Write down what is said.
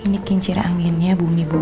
ini kincir aminnya bumi bunuh